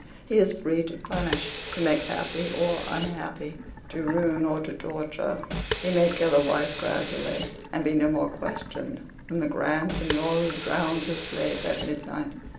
He is free to punish, to make happy or unhappy to ruin or to torture. He may kill a wife gradually, and be no more questioned than the Grand seignior who drowns a slave at midnight.